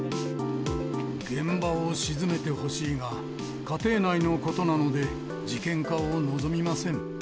現場を鎮めてほしいが、家庭内のことなので、事件化を望みません。